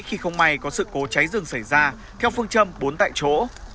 khi không may có sự cố cháy rừng xảy ra theo phương châm bốn tại chỗ